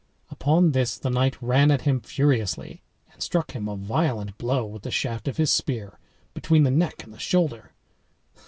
Upon this the knight ran at him furiously, and struck him a violent blow with the shaft of his spear, between the neck and the shoulder.